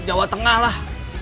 jawa tengah lah